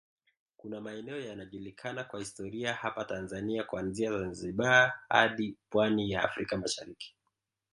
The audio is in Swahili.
Kuna maeneo yanajulikana kwa historia hapa Tanzania kuanzia Zanzibar hadi pwani ya Afrka Mashariki